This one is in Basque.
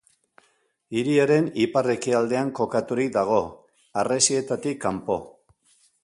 Hiriaren ipar-ekialdean kokaturik dago, harresietatik kanpo.